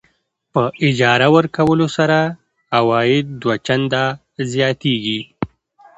په اجاره ورکولو سره عواید دوه چنده زیاتېږي.